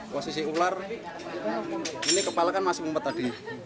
posisi ular ini kepala kan masih mumpet tadi